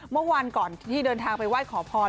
เมื่อวานก่อนที่เดินทางไปไหว้ขอพร